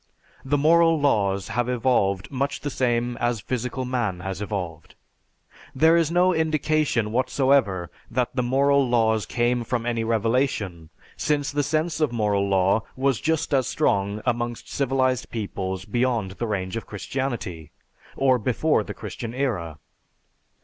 The moral laws have evolved much the same as physical man has evolved. There is no indication whatsoever that the moral laws came from any revelation since the sense of moral law was just as strong amongst civilized peoples beyond the range of Christianity, or before the Christian era.